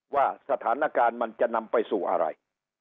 ว่าสถานการณ์มันจะนำไปสู่อะไร